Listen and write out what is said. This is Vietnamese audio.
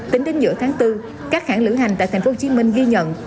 tính đến giữa tháng bốn các hãng lữ hành tại tp hcm ghi nhận